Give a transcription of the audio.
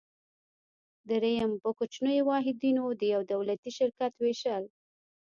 دریم: په کوچنیو واحدونو د یو دولتي شرکت ویشل.